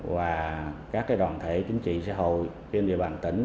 và các đoàn thể chính trị xã hội trên địa bàn tỉnh